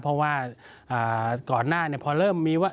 เพราะว่าก่อนหน้าพอเริ่มมีว่า